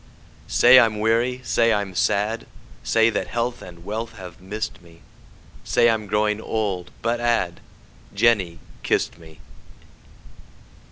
Say I'm weary, say I'm sad, 5 Say that health and wealth have miss'd me, Say I'm growing old, but add, Jenny kiss'd me.